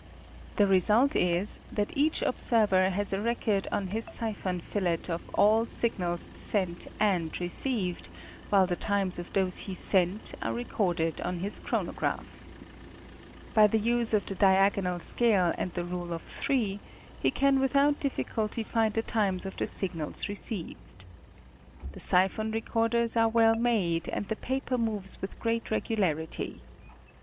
The result is that each observer has a record on his siphon fillet of all signals sent and received, while the times of those he sent are recorded on 24. National Geographic Magazme. his chronograph. By the use of the diagonal scale and the Rule of Three, he can without difficulty find the times of the signals received. The siphon recorders are well made, and the paper moves with great regularity.